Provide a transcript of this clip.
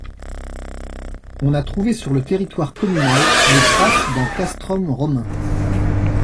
On a trouvé sur le territoire communal les traces d'un castrum romain.